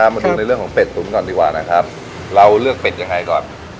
มาดูในเรื่องของเป็ดตุ๋นก่อนดีกว่านะครับเราเลือกเป็ดยังไงก่อน